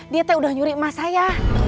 dia teh udah nyuri emas saya